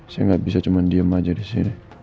saya gak bisa cuman diem aja disini